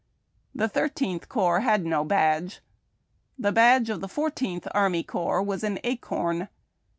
The Thirteenth Corps had no badge. The badge of the Fourteenth Army Corps was an acorn.